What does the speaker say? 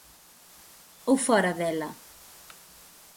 Ou fóra dela?